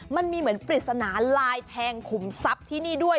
มันมีเหมือนปริศนาลายแทงขุมทรัพย์ที่นี่ด้วย